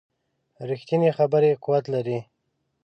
ریښتینې خبرې قوت لري